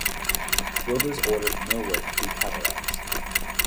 Builders ordered millwork through catalogues.